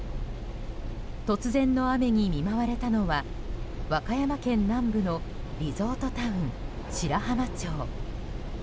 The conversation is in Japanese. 突然の雨に見舞われたのは和歌山県南部のリゾートタウン白浜町。